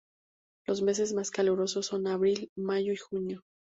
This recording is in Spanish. Los meses más calurosos son abril, mayo y junio.